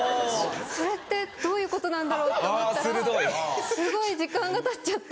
それってどういうことなんだろうって思ったらすごい時間がたっちゃって。